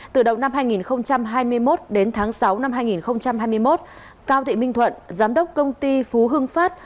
từ đầu năm hai nghìn hai mươi một đến tháng sáu năm hai nghìn hai mươi một cao thị minh thuận giám đốc công ty phú hưng phát